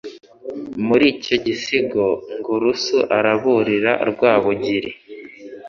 Muri icyo gisigo, Ngurusu araburira Rwabugil